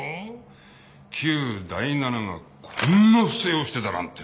旧第七がこんな不正をしてたなんて。